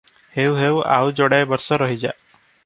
ହେଉ ହେଉ ଆଉ ଯୋଡ଼ାଏ ବର୍ଷ ରହିଯା?